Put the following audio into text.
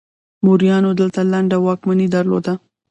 موریانو دلته لنډه واکمني درلوده